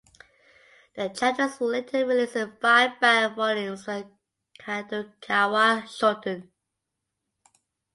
The chapters were later released in five bound volumes by Kadokawa Shoten.